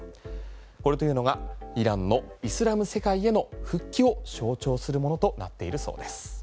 これというのがイランのイスラム世界への復帰を象徴するものとなっているそうです。